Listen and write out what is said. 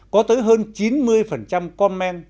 có tới hơn chín mươi comment